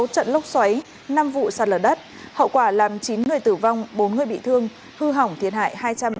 sáu trận lốc xoáy năm vụ sạt lở đất hậu quả làm chín người tử vong bốn người bị thương hư hỏng thiệt hại